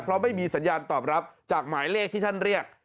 เพราะไม่มีสัญญาณตอบรับจากหมายเลขที่ท่านเรียก